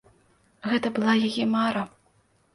Гэта была яе мара.